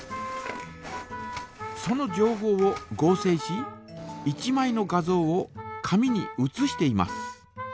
そのじょうほうを合成し１まいの画像を紙に写しています。